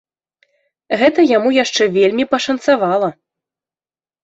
Гэта яму яшчэ вельмі пашанцавала!